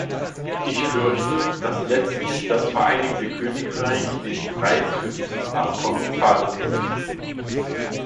Ich fürchte, dass letztlich das Vereinigte Königreich den Preis für dieses Abkommen zahlen wird.